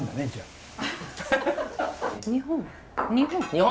日本？